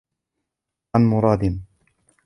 عَنْ مُرَادٍ